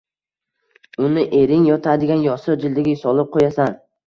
Uni ering yotadigan yostiq jildiga solib qo`yasan